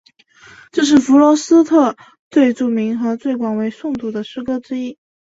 这是弗罗斯特最著名和最广为诵读的诗歌之一。